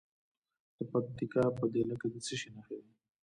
د پکتیکا په دیله کې د څه شي نښې دي؟